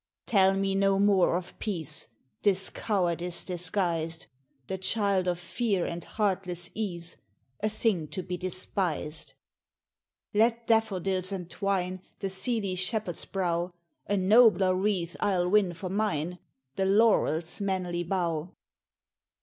"Tell me no more of Peace 'Tis cowardice disguised; The child of Fear and heartless Ease, A thing to be despised. "Let daffodills entwine The seely Shepherd's brow, A nobler wreath I'll win for mine, The Lawrel's manly bough.